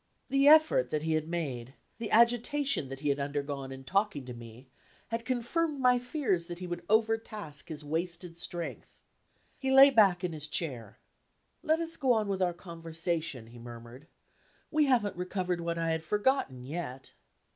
The effort that he had made, the agitation that he had undergone in talking to me, had confirmed my fears that he would overtask his wasted strength. He lay back in his chair. "Let us go on with our conversation," he murmured. "We haven't recovered what I had forgotten, yet."